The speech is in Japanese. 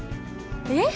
えっ？